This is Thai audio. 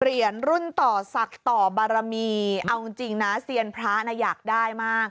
เหรียญรุ่นต่อศักดิ์ต่อบารมีเอาจริงจริงนะเสียงพระนะอยากได้มาก